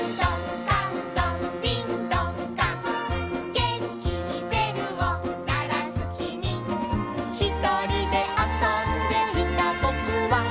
「げんきにべるをならすきみ」「ひとりであそんでいたぼくは」